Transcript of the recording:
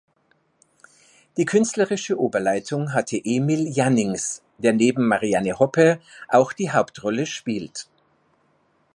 Die künstlerische Oberleitung hatte Emil Jannings, der neben Marianne Hoppe auch die Hauptrolle spielt.